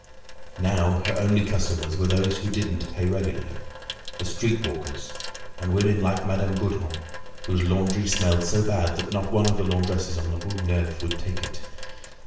Now her only customers were those who didn't pay regularly, the street walkers, and women like Madame Gaudron, whose laundry smelled so bad that not one of the laundresses on the Rue Neuve would take it.